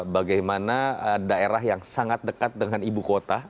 bagaimana daerah yang sangat dekat dengan ibu kota